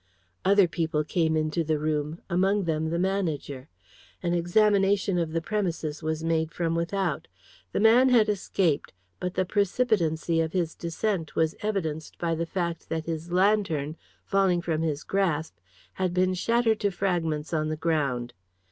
Other people came into the room, among them the manager. An examination of the premises was made from without. The man had escaped; but the precipitancy of his descent was evidenced by the fact that his lantern, falling from his grasp, had been shattered to fragments on the ground.